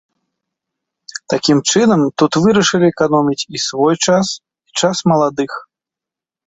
Такім чынам тут вырашылі эканоміць і свой час, і час маладых.